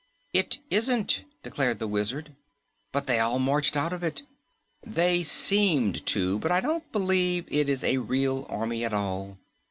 "It isn't," declared the Wizard. "But they all marched out of it." "They seemed to, but I don't believe it is a real army at all.